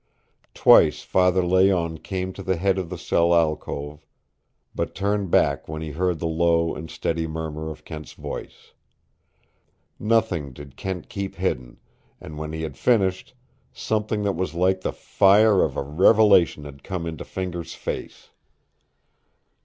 Twice Father Layonne came to the head of the cell alcove, but turned back when he heard the low and steady murmur of Kent's voice. Nothing did Kent keep hidden, and when he had finished, something that was like the fire of a revelation had come into Fingers' face.